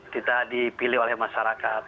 tidak dipilih oleh masyarakat